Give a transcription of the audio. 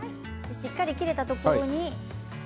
しっかり切れたところに。